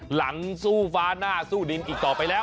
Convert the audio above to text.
หลังสู้ฟ้าหน้าสู้ดินอีกต่อไปแล้ว